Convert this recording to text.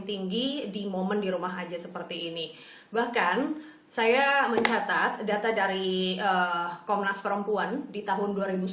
tinggi di momen di rumah aja seperti ini bahkan saya mencatat data dari komnas perempuan di tahun